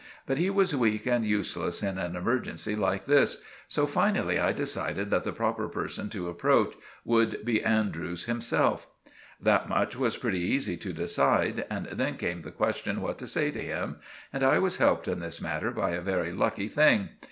But he was weak and useless in an emergency like this; so finally I decided that the proper person to approach would be Andrews himself. That much was pretty easy to decide, but then came the question what to say to him, and I was helped in this matter by a very lucky thing.